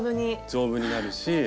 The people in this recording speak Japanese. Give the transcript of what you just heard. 丈夫になるし。